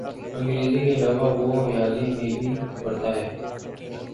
انگریزی کے علاوہ وہ ریاضی بھی پڑھاتا ہے۔